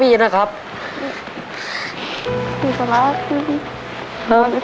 พี่สำหรับพี่พี่